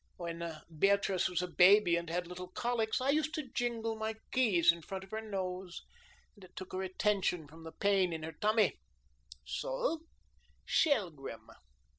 When Beatrice was a baby and had little colics, I used to jingle my keys in front of her nose, and it took her attention from the pain in her tummy; so Shelgrim."